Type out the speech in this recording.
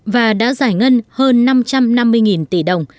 và đã giải ngân hơn năm trăm năm mươi tỷ đồng